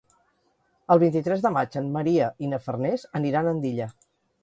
El vint-i-tres de maig en Maria i na Farners aniran a Andilla.